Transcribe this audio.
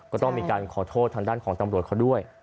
ก็ต้องมีการขอโทษทางด้านของตำรวจเขาด้วย